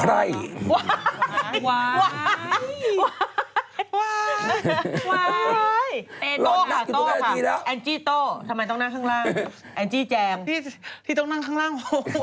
แฟนคลับนางเยอะจริง